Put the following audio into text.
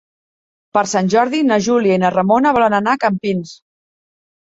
Per Sant Jordi na Júlia i na Ramona volen anar a Campins.